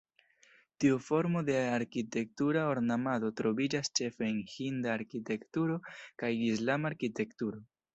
Tiu formo de arkitektura ornamado troviĝas ĉefe en Hinda arkitekturo kaj Islama arkitekturo.